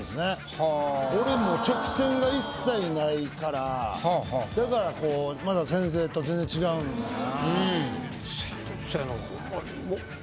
俺もう直線が一切ないからだからこうまた先生と全然違うんやな。